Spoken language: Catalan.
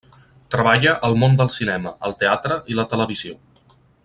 Treballa al món del cinema, el teatre i la televisió.